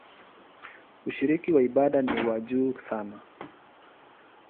Ushiriki wa ibada ni wa juu sana.